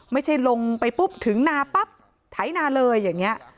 ไม่ใช่ลงไปปุ๊บถึงนาปั๊บไถนาเลยอย่างนี้